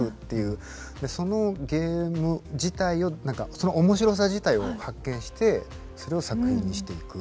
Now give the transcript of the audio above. そのゲーム自体をそのおもしろさ自体を発見してそれを作品にしていく。